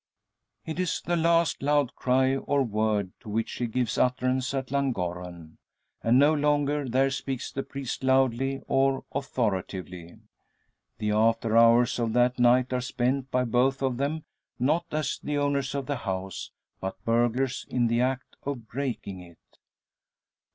It is the last loud cry, or word, to which she gives utterance at Llangorren. And no longer there speaks the priest loudly, or authoritatively. The after hours of that night are spent by both of them, not as the owners of the house, but burglars in the act of breaking it!